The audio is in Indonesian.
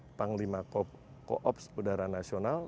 memberikan informasi kepada panglima koops udara nasional